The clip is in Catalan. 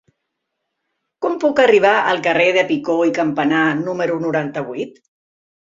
Com puc arribar al carrer de Picó i Campamar número noranta-vuit?